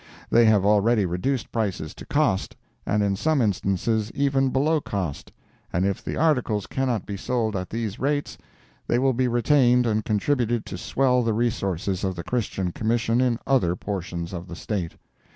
They have already reduced prices to cost, and in some instances even below cost, and if the articles cannot be sold at these rates, they will be retained and contributed to swell the resources of the Christian Commission in other portions of the State.